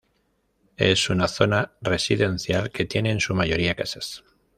Es una zona residencial que tiene en su mayoría casas.